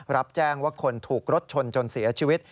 รับแจ้งว่าคนถูกรถชนจนเสียชีวิต